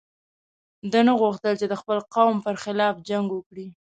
ده نه غوښتل چې د خپل قوم پر خلاف جنګ وکړي.